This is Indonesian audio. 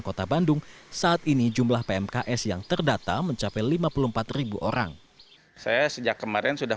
kota bandung saat ini jumlah pmks yang terdata mencapai lima puluh empat orang saya sejak kemarin sudah